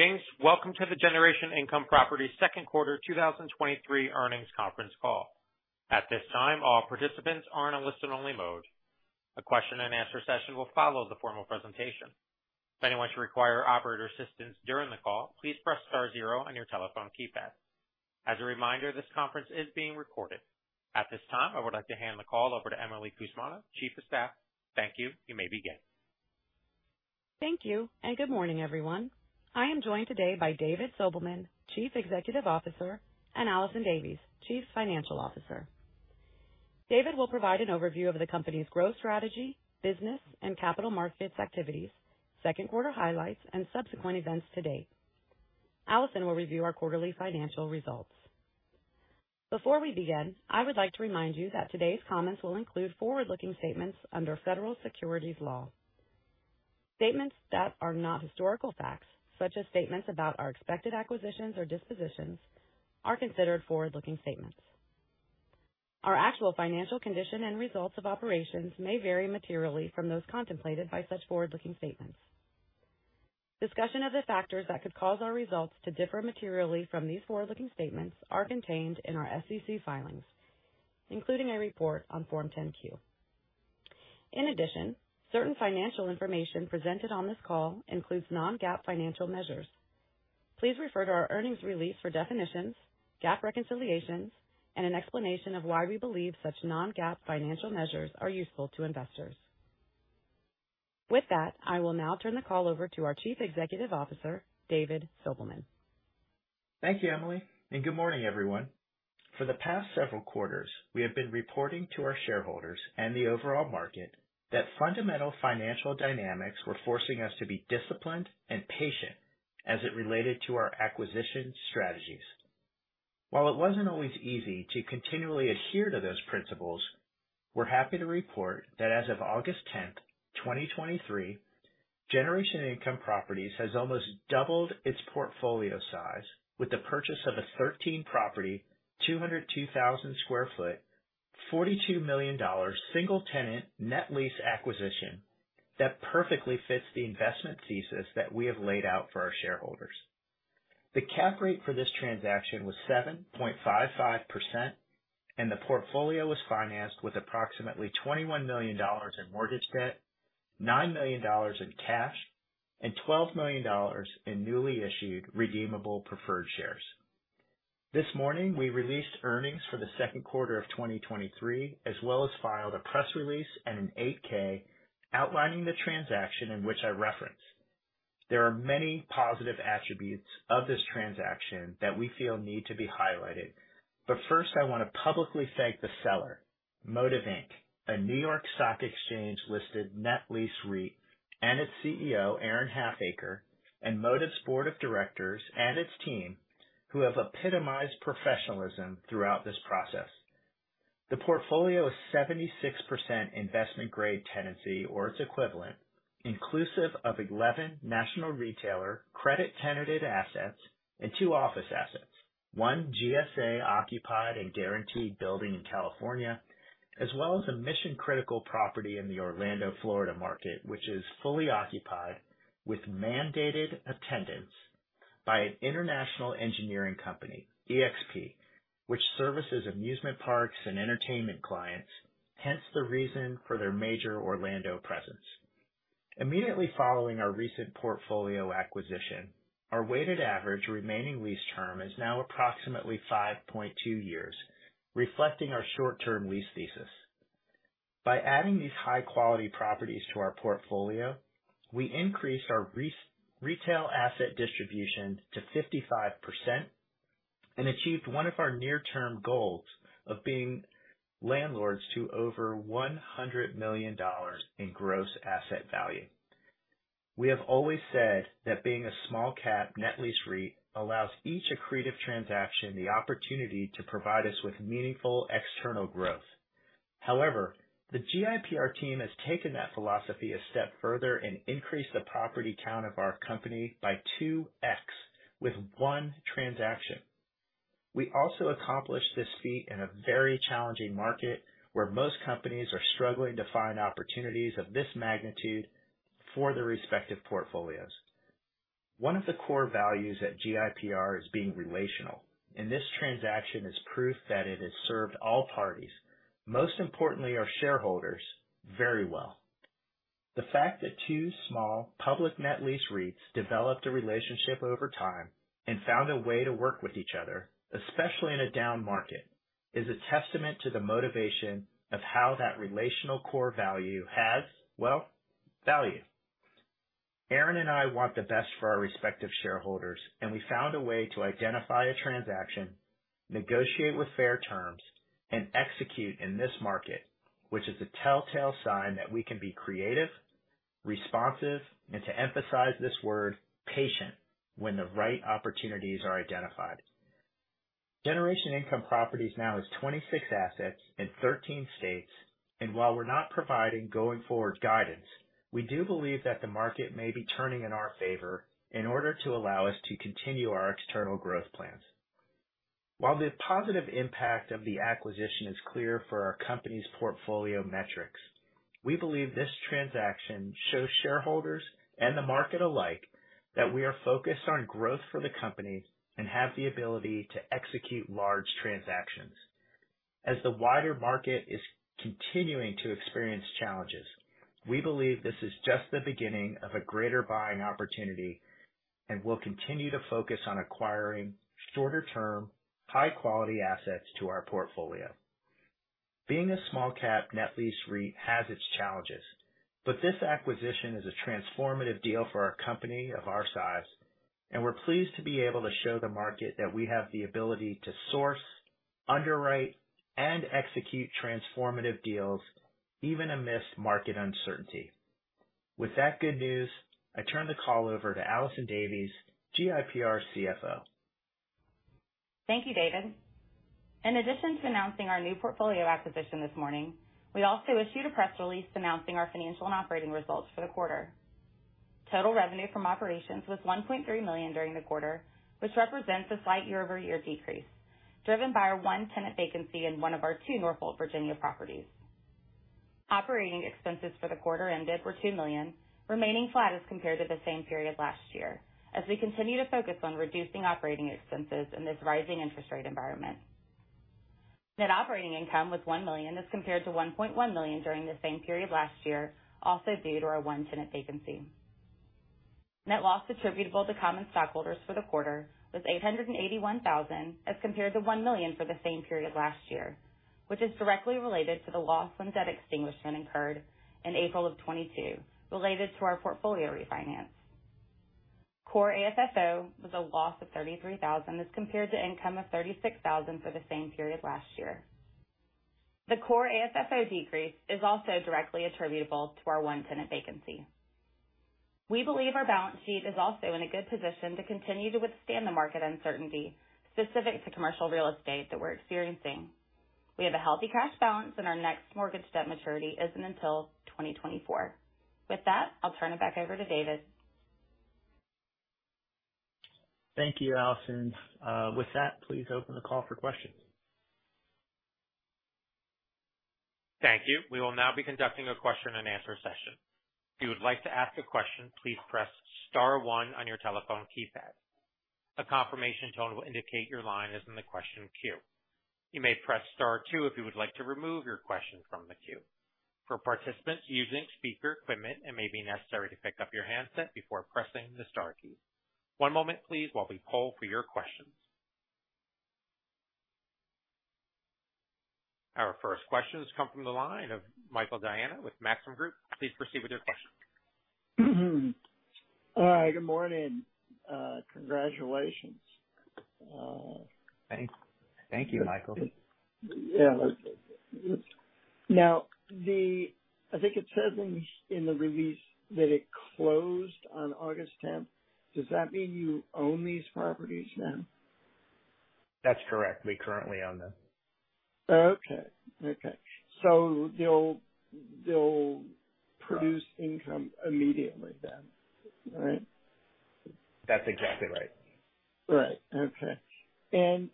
James, welcome to the Generation Income Properties second quarter 2023 earnings conference call. At this time, all participants are in a listen only mode. A question and answer session will follow the formal presentation. If anyone should require operator assistance during the call, please press star zero on your telephone keypad. As a reminder, this conference is being recorded. At this time, I would like to hand the call over to Emily Cusmano, Chief of Staff. Thank you. You may begin. Thank you. Good morning, everyone. I am joined today by David Sobelman, Chief Executive Officer, and Allison Davies, Chief Financial Officer. David will provide an overview of the company's growth strategy, business, and capital markets activities, second quarter highlights, and subsequent events to date. Allison will review our quarterly financial results. Before we begin, I would like to remind you that today's comments will include forward-looking statements under federal securities laws. Statements that are not historical facts, such as statements about our expected acquisitions or dispositions, are considered forward-looking statements. Our actual financial condition and results of operations may vary materially from those contemplated by such forward-looking statements. Discussion of the factors that could cause our results to differ materially from these forward-looking statements are contained in our SEC filings, including a report on Form 10-Q. In addition, certain financial information presented on this call includes non-GAAP financial measures. Please refer to our earnings release for definitions, GAAP reconciliations, and an explanation of why we believe such non-GAAP financial measures are useful to investors. With that, I will now turn the call over to our Chief Executive Officer, David Sobelman. Thank you, Emily. Good morning, everyone. For the past several quarters, we have been reporting to our shareholders and the overall market that fundamental financial dynamics were forcing us to be disciplined and patient as it related to our acquisition strategies. While it wasn't always easy to continually adhere to those principles, we're happy to report that as of August 10th, 2023, Generation Income Properties has almost doubled its portfolio size with the purchase of a 13 property, 202,000 square foot, $42 million single tenant net lease acquisition that perfectly fits the investment thesis that we have laid out for our shareholders. The cap rate for this transaction was 7.55%, and the portfolio was financed with approximately $21 million in mortgage debt, $9 million in cash, and $12 million in newly issued redeemable preferred shares. This morning, we released earnings for the second quarter of 2023, as well as filed a press release and an 8-K outlining the transaction in which I referenced. There are many positive attributes of this transaction that we feel need to be highlighted. First, I want to publicly thank the seller, Modiv Inc., a New York Stock Exchange listed net lease REIT, and its CEO, Aaron Halfacre, and Modiv's board of directors and its team who have epitomized professionalism throughout this process. The portfolio is 76% investment-grade tenancy, or its equivalent, inclusive of 11 national retailer credit tenanted assets and two office assets, one GSA occupied and guaranteed building in California, as well as a mission-critical property in the Orlando, Florida market, which is fully occupied with mandated attendance by an international engineering company, EXP, which services amusement parks and entertainment clients, hence the reason for their major Orlando presence. Immediately following our recent portfolio acquisition, our weighted average remaining lease term is now approximately 5.2 years, reflecting our short-term lease thesis. By adding these high-quality properties to our portfolio, we increased our retail asset distribution to 55% and achieved one of our near-term goals of being landlords to over $100 million in gross asset value. We have always said that being a small cap net lease REIT allows each accretive transaction the opportunity to provide us with meaningful external growth. The GIPR team has taken that philosophy a step further and increased the property count of our company by 2x with one transaction. We also accomplished this feat in a very challenging market where most companies are struggling to find opportunities of this magnitude for their respective portfolios. One of the core values at GIPR is being relational. This transaction is proof that it has served all parties, most importantly our shareholders, very well. The fact that two small public net lease REITs developed a relationship over time and found a way to work with each other, especially in a down market, is a testament to the motivation of how that relational core value has, well, value. Aaron and I want the best for our respective shareholders. We found a way to identify a transaction, negotiate with fair terms, execute in this market, which is a telltale sign that we can be creative, responsive, and to emphasize this word, patient, when the right opportunities are identified. Generation Income Properties now has 26 assets in 13 states. While we're not providing going forward guidance, we do believe that the market may be turning in our favor in order to allow us to continue our external growth plans. While the positive impact of the acquisition is clear for our company's portfolio metrics, we believe this transaction shows shareholders and the market alike that we are focused on growth for the company and have the ability to execute large transactions. As the wider market is continuing to experience challenges, we believe this is just the beginning of a greater buying opportunity, and we'll continue to focus on acquiring shorter-term, high-quality assets to our portfolio. Being a small cap net lease REIT has its challenges, but this acquisition is a transformative deal for a company of our size, and we're pleased to be able to show the market that we have the ability to source, underwrite, and execute transformative deals, even amidst market uncertainty. With that good news, I turn the call over to Allison Davies, GIPR CFO. Thank you, David. In addition to announcing our new portfolio acquisition this morning, we also issued a press release announcing our financial and operating results for the quarter. Total revenue from operations was $1.3 million during the quarter, which represents a slight year-over-year decrease, driven by our one tenant vacancy in one of our two Norfolk, Virginia properties. Operating expenses for the quarter ended were $2 million, remaining flat as compared to the same period last year, as we continue to focus on reducing operating expenses in this rising interest rate environment. Net operating income was $1 million as compared to $1.1 million during the same period last year, also due to our one tenant vacancy. Net loss attributable to common stockholders for the quarter was $881,000 as compared to $1 million for the same period last year, which is directly related to the loss on debt extinguishment incurred in April of 2022 related to our portfolio refinance. Core AFFO was a loss of $33,000 as compared to income of $36,000 for the same period last year. The core AFFO decrease is also directly attributable to our one tenant vacancy. We believe our balance sheet is also in a good position to continue to withstand the market uncertainty specific to commercial real estate that we're experiencing. We have a healthy cash balance, and our next mortgage debt maturity isn't until 2024. With that, I'll turn it back over to David. Thank you, Allison. With that, please open the call for questions. Thank you. We will now be conducting a question and answer session. If you would like to ask a question, please press star one on your telephone keypad. A confirmation tone will indicate your line is in the question queue. You may press star two if you would like to remove your question from the queue. For participants using speaker equipment, it may be necessary to pick up your handset before pressing the star key. One moment, please, while we poll for your questions. Our first questions come from the line of Michael Diana with Maxim Group. Please proceed with your question. Hi, good morning. Congratulations. Thank you, Michael. Yeah. Now, I think it says in the release that it closed on August tenth. Does that mean you own these properties now? That's correct. We currently own them. Okay. They'll produce income immediately then, right? That's exactly right. Right. Okay.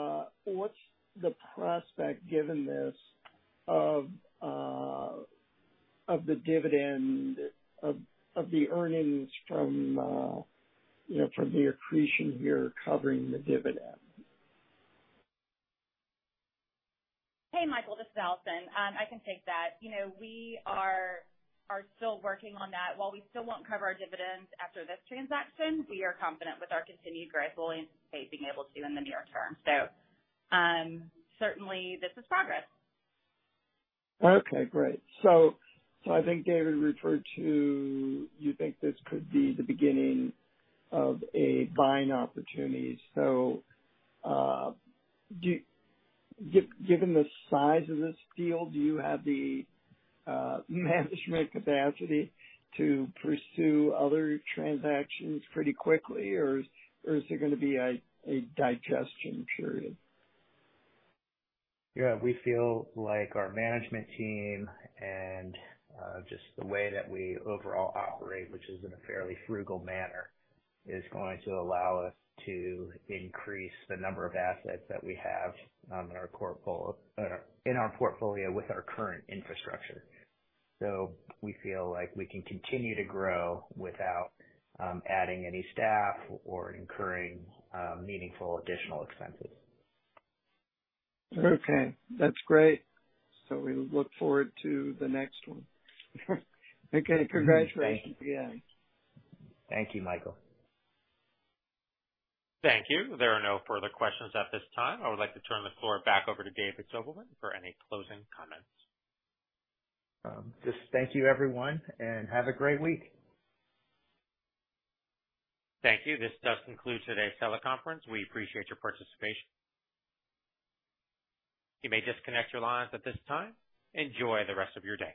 What's the prospect, given this, of the dividend of the earnings from the accretion here covering the dividend? Hey, Michael, this is Allison. I can take that. We are still working on that. While we still won't cover our dividends after this transaction, we are confident with our continued growth we'll anticipate being able to in the near term. Certainly, this is progress. Great. I think David referred to you think this could be the beginning of a buying opportunity. Given the size of this deal, do you have the management capacity to pursue other transactions pretty quickly, or is there going to be a digestion period? We feel like our management team and just the way that we overall operate, which is in a fairly frugal manner, is going to allow us to increase the number of assets that we have in our portfolio with our current infrastructure. We feel like we can continue to grow without adding any staff or incurring meaningful additional expenses. That's great. We look forward to the next one. Congratulations. Thank you. Yeah. Thank you, Michael. Thank you. There are no further questions at this time. I would like to turn the floor back over to David Sobelman for any closing comments. Just thank you, everyone, and have a great week. Thank you. This does conclude today's teleconference. We appreciate your participation. You may disconnect your lines at this time. Enjoy the rest of your day.